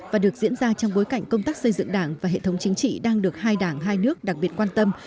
và được diễn ra trong bối cảnh công tác xây dựng đảng và hệ thống chính trị đang được hai đảng hai nước đặc biệt quan tâm